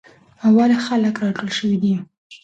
ولې خلک راټول شوي دي؟